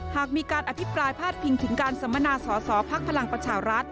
หากมีการอภิปรายพาดพิงถึงการสัมมนาสอสอภักดิ์พลังประชารัฐ